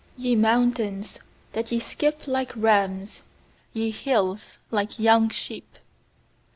6Ye mountains, that ye skip like rams , Ye hills, like young sheep?